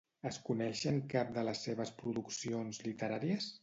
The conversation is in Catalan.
Es coneixen cap de les seves produccions literàries?